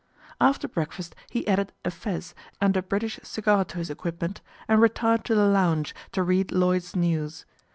" After breakfast he added a fez and a British cigar to his equipment, and retired to the lounge to read Lloyd's News.